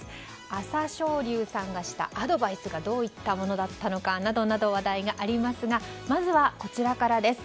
朝青龍さんがしたアドバイスがどういうものだったのかなど話題がありますがまずはこちらからです。